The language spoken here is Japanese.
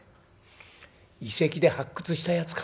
遺跡で発掘したやつか？